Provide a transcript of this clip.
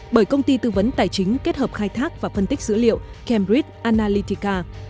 bởi công ty tư vấn tài chính kết hợp khai thác và phân tích dữ liệu cambridge analytica